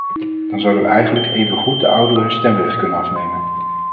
Dan zouden we eigenlijk even goed de ouderen hun stemrecht kunnen afnemen.